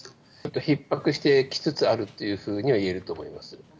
ひっ迫してきつつあるというふうには言えると思います。